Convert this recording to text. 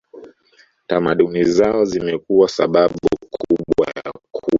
tamaduni zao zimekuwa sababu kubwa ya kuwa